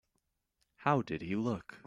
How did he look?